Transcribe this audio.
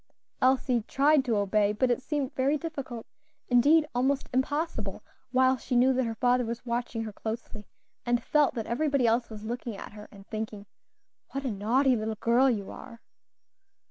Elsie tried to obey, but it seemed very difficult, indeed almost impossible, while she knew that her father was watching her closely, and felt that everybody else was looking at her and thinking, "What a naughty little girl you are!"